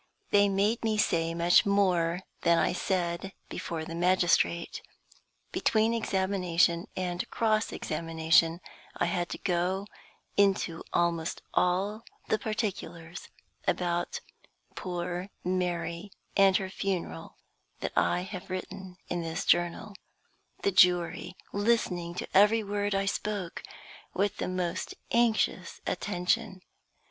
They made me say much more than I said before the magistrate. Between examination and cross examination, I had to go into almost all the particulars about poor Mary and her funeral that I have written i n this journal; the jury listening to every word I spoke with the most anxious attention.